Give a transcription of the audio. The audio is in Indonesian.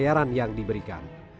dan penumpang yang diberikan